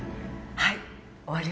はい。